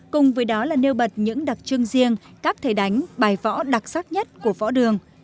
cùng với đó là nêu bật những đặc trưng riêng các thể đánh bài võ đặc sắc nhất của võ đường